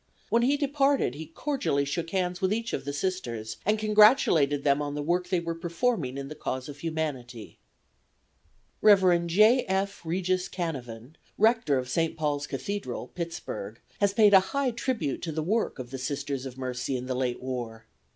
When he departed he cordially shook hands with each of the Sisters, and congratulated them on the work they were performing in the cause of humanity. Rev. J. F. Regis Canevin, rector of St. Paul's Cathedral, Pittsburg, has paid a high tribute to the work of the Sisters of Mercy in the late war.